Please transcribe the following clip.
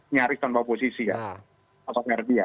nyaris tanpa oposisi ya